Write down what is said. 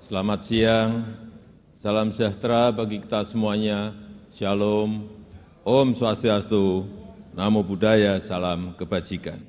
selamat siang salam sejahtera bagi kita semuanya shalom om swastiastu namo buddhaya salam kebajikan